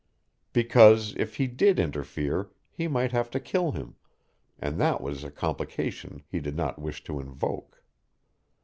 Because if he did interfere he might have to kill him, and that was a complication he did not wish to invoke.